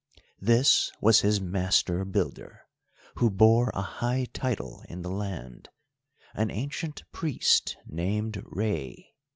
This was his Master Builder, who bore a high title in the land, an ancient priest named Rei.